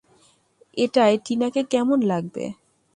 এটায় টিনাকে কেমন লাগবে?